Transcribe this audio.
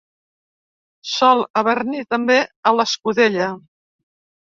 Sol haver-n'hi, també, a l'escudella.